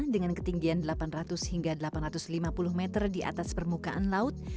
dengan ketinggian delapan ratus hingga delapan ratus lima puluh meter di atas permukaan laut